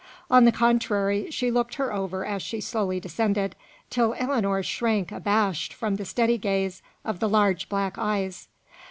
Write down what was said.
On the contrary, she looked her over as she slowly descended, till Ellinor shrank abashed from the steady gaze of the large black eyes.